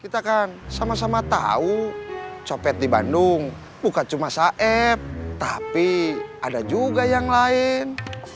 kita akan sama sama tahu copet di bandung bukan cuma saib tapi ada juga yang lain